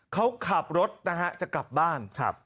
เขาขับรถนะฮะจะกลับบ้าน